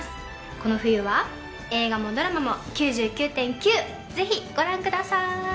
この冬は映画もドラマも「９９．９」ぜひご覧ください